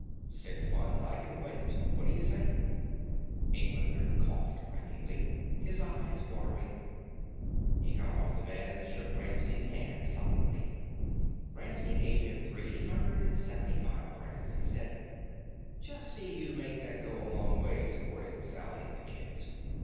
"Six months I can wait. What d'you say?" Englander coughed wrackingly, his eyes watering. He got off the bed and shook Ramsey's hand solemnly. Ramsey gave him three hundred and seventy five credits and said: "Just see you make that go a long way supporting Sally and the kids.